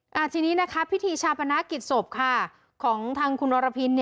ทีนี้พิธีชาปนากิจศพของทางคุณรพิน